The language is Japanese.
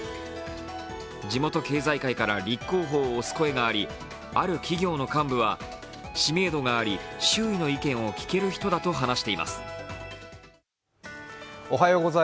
地元経済界から立候補を推す声があり、ある企業の幹部は、知名度があり周囲の意見を聞ける人だと話しています。